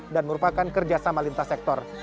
dan merupakan kerja sama lintas sektor